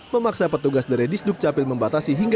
memaksa petugas dari sdukcapil membatasnya